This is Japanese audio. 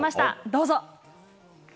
どうぞ。